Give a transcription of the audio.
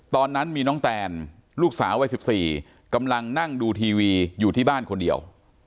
ตอนนั้นมีน้องแตนลูกสาววัย๑๔กำลังนั่งดูทีวีอยู่ที่บ้านคนเดียว